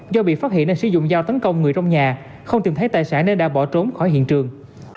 do bị phát hiện nên sử dụng dao tấn công người trong nhà không tìm thấy tài sản nên đã bỏ trốn khỏi hiện trường